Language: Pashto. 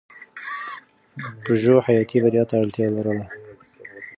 پژو حیاتي بریا ته اړتیا لرله.